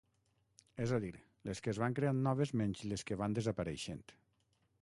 És a dir, les que es van creant noves menys les que van desapareixent.